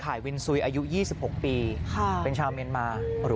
เพราะว่าสองคนนี้เพิ่งจะคบหาเป็นแฟนกันได้ไม่นานเองนะครับ